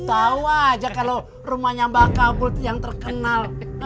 tau aja kalau rumahnya mbak kabul tuh yang terkenal